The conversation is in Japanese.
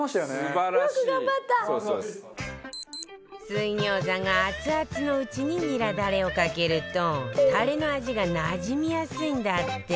水餃子がアツアツのうちにニラだれをかけるとたれの味がなじみやすいんだって